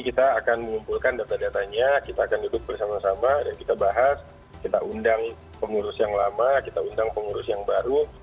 kita akan mengumpulkan data datanya kita akan duduk bersama sama kita bahas kita undang pengurus yang lama kita undang pengurus yang baru